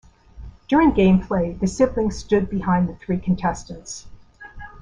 During game play, the siblings stood behind the three contestants.